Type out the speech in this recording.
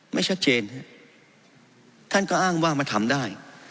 ไม่ชัดเจนท่านก็อ้างว่ามาทำได้